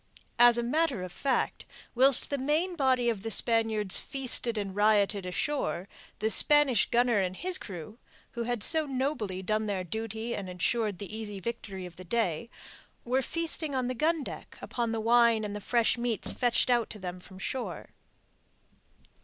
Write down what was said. As a matter of fact, whilst the main body of the Spaniards feasted and rioted ashore, the Spanish gunner and his crew who had so nobly done their duty and ensured the easy victory of the day were feasting on the gun deck upon the wine and the fresh meats fetched out to them from shore.